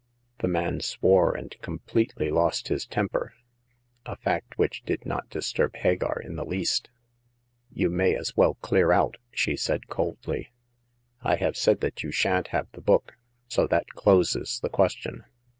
The man swore and completely lost his temper — a fact which did not disturb Hagar in the least. "You may as well clear out," she said, coldly. " I have said that you sha'n*t have the book, so that closes the question."